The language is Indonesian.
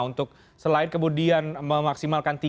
untuk selain kemudian memaksimalkan tiga t